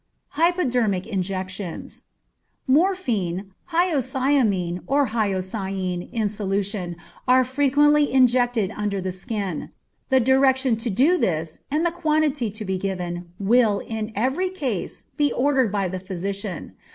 Hypodermic Injections. Morphine, hyoscyamine, or hyoscine, in solution, are frequently injected under the skin. The direction to do this, and the quantity to be given, will, in every case, be ordered by the physician.